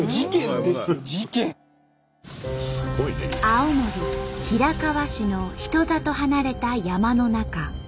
青森平川市の人里離れた山の中。